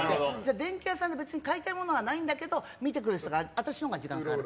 電気屋さんで買いたいものはないんだけど見てくるって言うから私のほうが時間かかる。